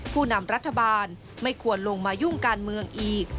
ผู้นำรัฐบาลไม่ควรลงมายุ่งการเมืองอีก